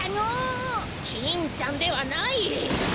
キンちゃんではない。